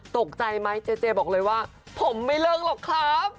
ตกใจไหมเจเจบอกเลยว่าผมไม่เลิกหรอกครับ